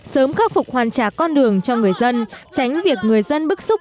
sớm khắc phục hoàn trả con đường cho người dân tránh việc người dân bức xúc